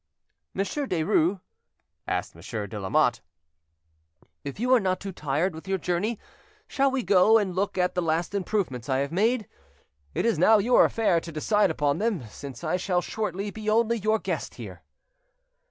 "Monsieur Derues;" asked Monsieur de Lamatte, "if you are not too tired with your journey, shall we go and look at the last improvements I have made? It is now your affair to decide upon them, since I shall shortly be only your guest here."